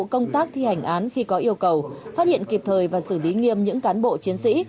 công tác thi hành án khi có yêu cầu phát hiện kịp thời và xử lý nghiêm những cán bộ chiến sĩ